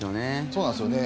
そうなんですよね。